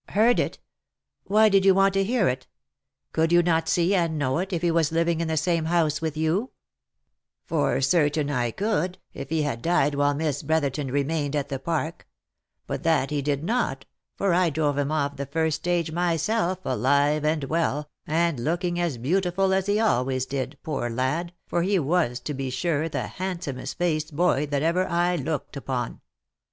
" Heard it? Why did you want to hear it? Could you not see it, and know it, if he was living in the same house with you V " For certain I could, if he had died while Miss Brotherton remained at the park ; but that he did not, for I drove him off the first stage myself, alive and well, and looking as beautiful as he always did, poor lad, for he was to be sure the handsomest faced boy, that ever I looked upon.